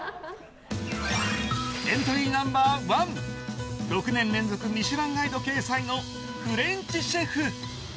エントリーナンバー１６年連続「ミシュランガイド」掲載のフレンチシェフ。